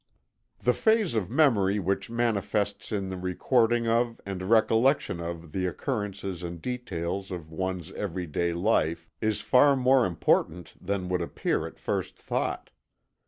The phase of memory which manifests in the recording of and recollection of the occurrences and details of one's every day life is far more important than would appear at first thought.